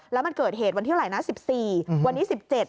แล้วมันเกิดเหตุวันเท่าไหร่นะ๑๔วันนี้๑๗